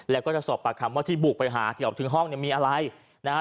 แล้วก็จะสอบปากคำว่าที่บุกไปหาแถวถึงห้องเนี่ยมีอะไรนะฮะ